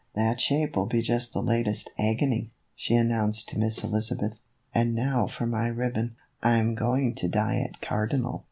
" That shape will be just the latest agony," she announced to Miss Elizabeth. " And now for my ribbon. I 'm going to dye it cardinal."